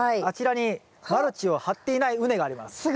あちらにマルチを張っていない畝があります。